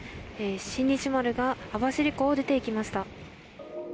「新日丸」が網走湖を出ていきました。